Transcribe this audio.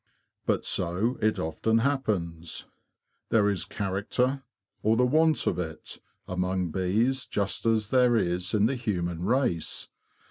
But so it often happens. There is character, or the want of it, among bees just as there is in the human race.